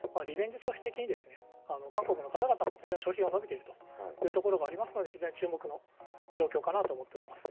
消費的に韓国の方々も非常に消費が伸びているというところがありますので非常に注目の状況かなと思っています。